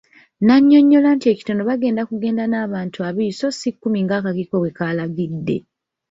N'annyonnyola nti ekitono bagenda kugenda n'abantu abiri so si kumi ng'akakiiko bwe kaalagidde.